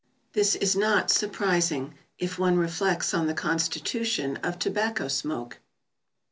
This is not surprising, if one reflects on the constitution of tobacco smoke.